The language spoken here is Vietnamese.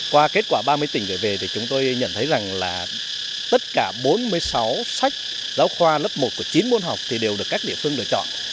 qua kết quả ba mươi tỉnh gửi về thì chúng tôi nhận thấy rằng là tất cả bốn mươi sáu sách giáo khoa lớp một của chín môn học thì đều được các địa phương lựa chọn